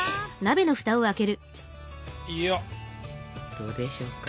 どうでしょうか？